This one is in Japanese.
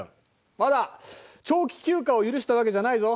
まだ長期休暇を許したわけじゃないぞ。